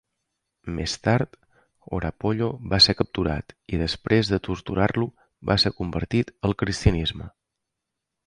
Més tard Horapollo va ser capturat, i després de torturar-lo va ser convertir al cristianisme.